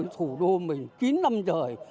thủ đô mình chín năm trời